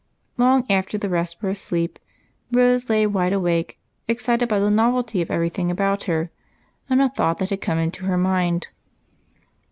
Long after the rest were asleep, Rose lay wide awake, excited by the novelty of all about her, and a thought that had come into her mind.